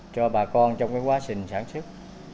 cho bà con trong quá trình sản xuất